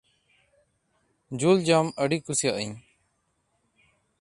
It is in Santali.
ᱡᱩᱞ ᱡᱚᱢ ᱟᱹᱰᱤ ᱠᱩᱥᱤᱭᱟᱜᱟᱹᱧ ᱾